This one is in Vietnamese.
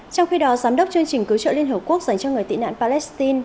trong khi đó giám đốc chương trình cứu trợ liên hợp quốc dành cho người tị nạn palestine